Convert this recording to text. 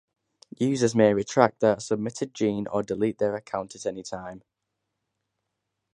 Users may retract their submitted gene or delete their account at any time.